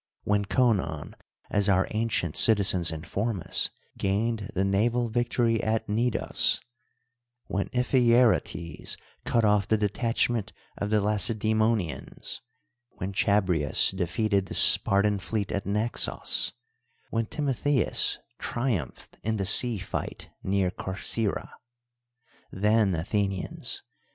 when Conon (as our ancient citizens inform us) gained the naval victory at Cnidos ; when Iphicrates cut off the detachment of the Laceda}monians, when Chabrias defeated the Spartan fleet at Xaxos; when Timotheus triumphed in the sea fight near Corcyra. Then, Athenians